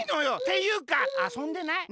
ていうかあそんでない？